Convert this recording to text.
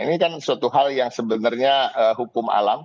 ini kan suatu hal yang sebenarnya hukum alam